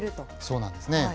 そうなんですね。